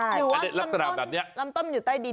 หรือว่าลำต้นอยู่ใต้ดิน